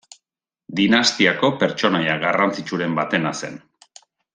Dinastiako pertsonaia garrantzitsuren batena zen.